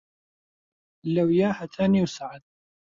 لەویا هەتا نیو سەعات